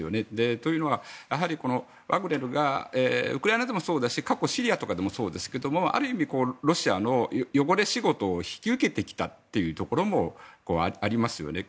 というのは、やはりワグネルがウクライナでもそうだし過去シリアとかでもそうですけどもある意味、ロシアの汚れ仕事を引き受けてきたというところもありますよね。